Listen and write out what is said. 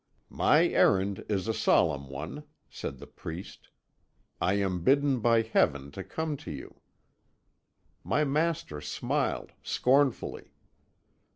"'My errand is a solemn one,' said the priest; 'I am bidden by Heaven to come to you.' "My master smiled scornfully.